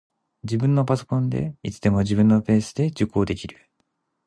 自分のパソコンで、いつでも自分のペースで受講できる